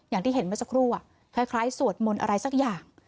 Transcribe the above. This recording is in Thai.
อย่างที่เห็นเมื่อสักครู่คล้ายสวดมนต์อะไรสักอย่าง